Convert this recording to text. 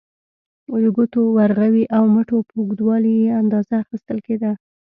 د ګوتو، ورغوي او مټو په اوږدوالي یې اندازه اخیستل کېده.